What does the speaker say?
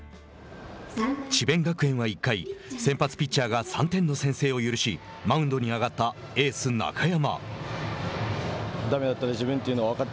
智弁学園は１回先発ピッチャーが３点の先制を許しマウンドに上がったエース中山。